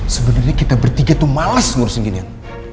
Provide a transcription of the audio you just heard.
sebenernya kita bertiga tuh males ngurusin ginian